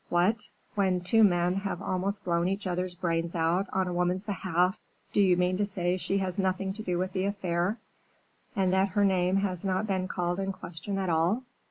"What! when two men have almost blown each other's brains out on a woman's behalf, do you mean to say she has had nothing to do with the affair, and that her name has not been called in question at all?